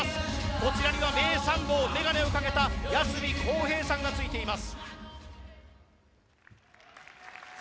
こちらには名参謀眼鏡をかけた八隅孝平さんがついています。